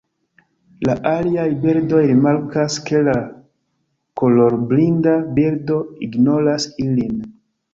La aliaj birdoj rimarkas ke la kolorblinda birdo ignoras ilin.